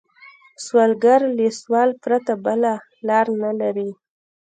سوالګر له سوال پرته بله لار نه لري